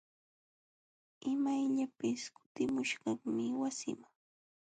Imayllapis kutimuśhaqmi wasiiman.